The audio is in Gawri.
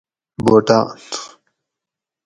بُوٹاۤن